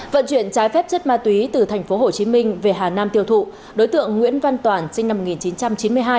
vận chuyển trái phép chất ma túy từ tp hcm về hà nam tiêu thụ đối tượng nguyễn văn toản sinh năm một nghìn chín trăm chín mươi hai